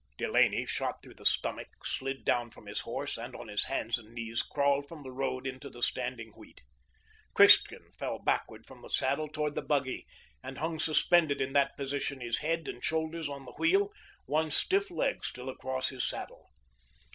Delaney, shot through the stomach, slid down from his horse, and, on his hands and knees, crawled from the road into the standing wheat. Christian fell backward from the saddle toward the buggy, and hung suspended in that position, his head and shoulders on the wheel, one stiff leg still across his saddle.